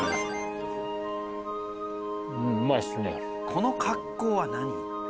この格好は何？